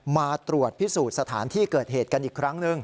มาตรวจพิสูจน์สถานที่เกิดเหตุกันอีกครั้งหนึ่ง